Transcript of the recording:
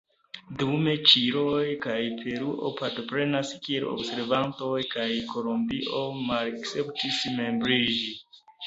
Dume Ĉilio kaj Peruo partoprenas kiel observantoj kaj Kolombio malakceptis membriĝi.